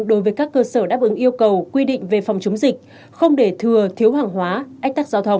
đối với các cơ sở đáp ứng yêu cầu quy định về phòng chống dịch không để thừa thiếu hàng hóa ách tắc giao thông